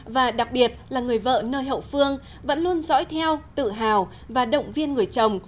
và đặc biệt là người vợ nơi hậu phương vẫn luôn dõi theo tự hào và động viên người chồng